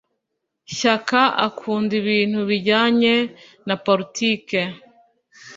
Shyaka akunda ibintu bijyanye na politike